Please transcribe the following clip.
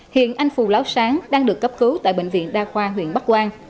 hiện anh phùng láo sáng đang được cấp cứu tại bệnh viện đa khoa huyện bắc quang